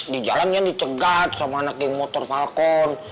di jalannya dicegat sama anak geng motor valkon